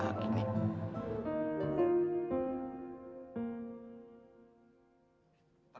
ternyata janji allah tidak selamanya benar